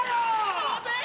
すいません！